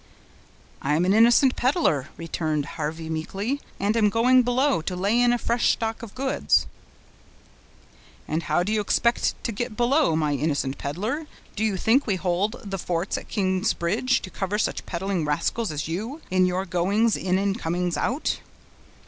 "I am an innocent peddler," returned Harvey meekly, "and am going below, to lay in a fresh stock of goods." "And how do you expect to get below, my innocent peddler? Do you think we hold the forts at King's Bridge to cover such peddling rascals as you, in your goings in and comings out?"